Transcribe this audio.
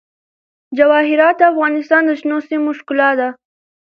جواهرات د افغانستان د شنو سیمو ښکلا ده.